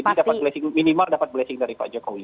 jadi dapat blessing minimal dapat blessing dari pak jokowi